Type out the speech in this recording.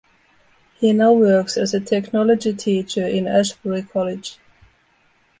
He now works as a technology teacher in Ashbury College.